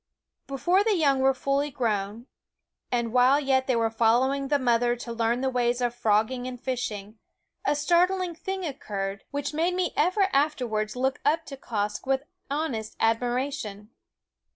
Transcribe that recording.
Before the young were fully grown, and while yet they were following the mother to learn the ways of frogging and fishing, a startling thing occurred, which made me SCHOOL OF 200 ever afterwards look up to Quoskh with honest admiration.